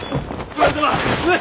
上様！